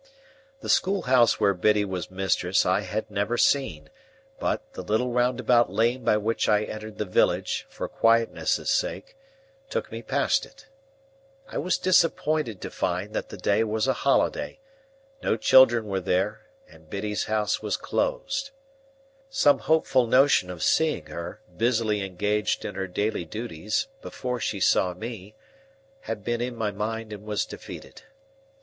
The schoolhouse where Biddy was mistress I had never seen; but, the little roundabout lane by which I entered the village, for quietness' sake, took me past it. I was disappointed to find that the day was a holiday; no children were there, and Biddy's house was closed. Some hopeful notion of seeing her, busily engaged in her daily duties, before she saw me, had been in my mind and was defeated.